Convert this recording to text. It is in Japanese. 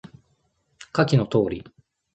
下記の通り